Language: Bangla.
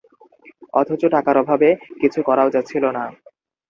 অথচ টাকার অভাবে কিছু করাও যাচ্ছিল না।